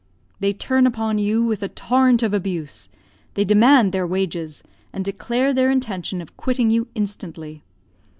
They turn upon you with a torrent of abuse; they demand their wages, and declare their intention of quitting you instantly.